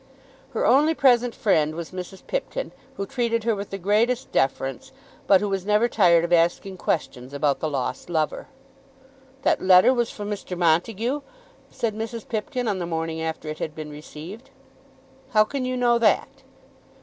Her only present friend was Mrs. Pipkin, who treated her with the greatest deference, but who was never tired of asking questions about the lost lover. "That letter was from Mr. Montague?" said Mrs. Pipkin on the morning after it had been received. "How can you know that?"